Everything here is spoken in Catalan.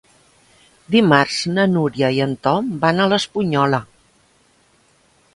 Dimarts na Núria i en Tom van a l'Espunyola.